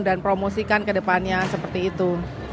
dan promosikan ke depannya seperti itu